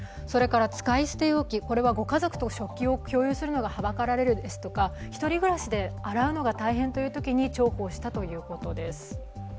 使い捨て容器はご家族と食器を共用するのがはばかられるとか１人暮らしで洗うのが大変というときに重宝したということです。